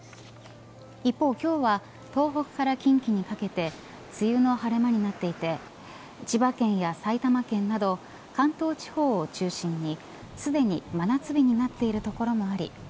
一方、今日は東北から近畿にかけて梅雨の晴れ間になっていて千葉県や埼玉県など関東地方を中心にすでに真夏日になっている所もあり